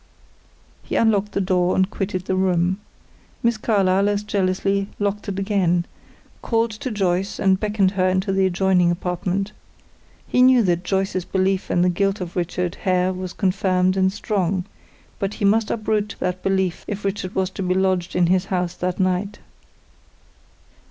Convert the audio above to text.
He unlocked the door and quitted the room. Miss Carlyle as jealously locked it again; called to Joyce and beckoned her into the adjoining apartment. He knew that Joyce's belief in the guilt of Richard Hare was confirmed and strong, but he must uproot that belief if Richard was to be lodged in his house that night.